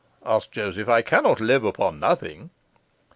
asked Joseph; 'I cannot live upon nothing.